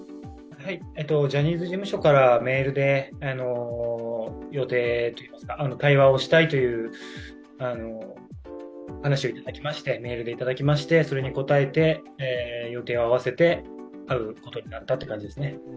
ジャニーズ事務所から予定といいますか、対話をしたいという話をメールでいただきましてそれに応えて予定を合わせて会うことになったということですね。